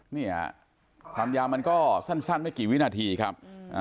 เนี่ยความยาวมันก็สั้นไม่กี่วินาทีครับ